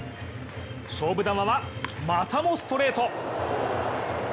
勝負球は、またもストレート。